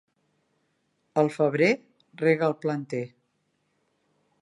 Al febrer, rega el planter.